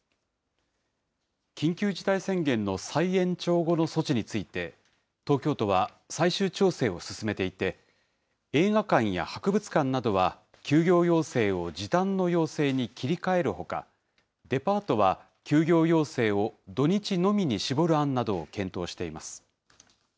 緊急事態宣言の再延長後の措置について、東京都は最終調整を進めていて、映画館や博物館などは、休業要請を時短の要請に切り替えるほか、デパートは、休業要請を土日のみに絞る案などを検討しています。